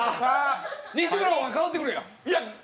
西村代わってくれや。